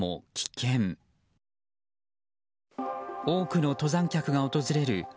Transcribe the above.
多くの登山客が訪れる